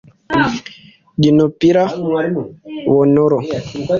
Dinokopila Bonolo